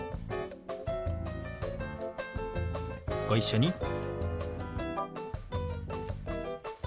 ご一緒に。